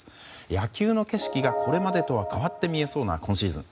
野球の景色がこれまでとは変わって見えそうな今シーズン。